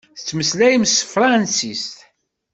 Tettmeslayem s tefransist?